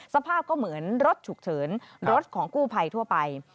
สภาพก็เหมือนรถฉุกเฉินรถของกู้ภัยทั่วไป